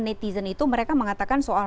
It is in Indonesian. netizen itu mereka mengatakan soal